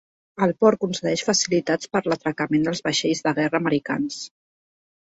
El port concedeix facilitats per l'atracament dels vaixells de guerra americans.